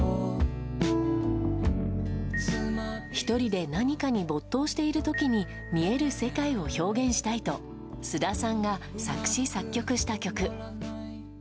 １人で何かに没頭している時に見える世界を表現したいと菅田さんが作詞・作曲した曲。